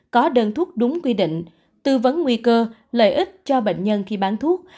có đơn thuốc đúng quy định tư vấn nguy cơ lợi ích cho bệnh nhân khi bán thuốc